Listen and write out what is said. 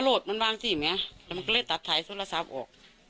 โทษมันบ้างสิแม่แล้วมันก็เลยตัดถ่ายโทรศาสตร์ออก